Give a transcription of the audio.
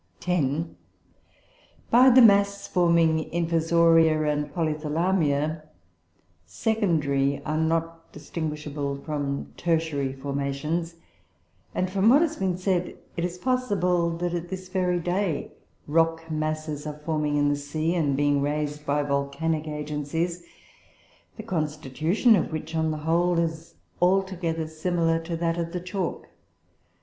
"10. By the mass forming Infasoria and Polythalamia, secondary are not distinguishable from tertiary formations; and, from what has been said, it is possible that, at this very day, rock masses are forming in the sea, and being raised by volcanic agencies, the constitution of which, on the whole, is altogether similar to that of the chalk.